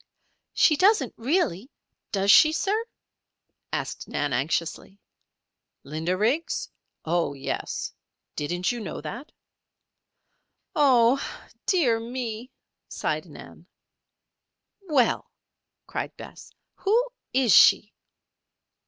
"She doesn't, really, does she, sir?" asked Nan, anxiously. "Linda Riggs? Oh, yes. Didn't you know that?" "Oh, dear, me," sighed Nan. "Well!" cried Bess. "Who is she?"